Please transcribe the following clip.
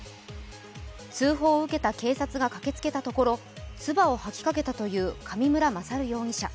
通報を受けた警察が駆けつけたところ、つばを吐きかけたという上村勝容疑者。